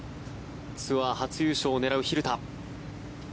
ツアー初優勝を狙う蛭田。